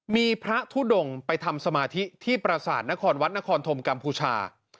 มีพระทุดงไปทำสมาธิที่ประสาทนครวัดนครธมกัมพูชา